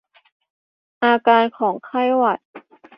อาการของไข้หวัด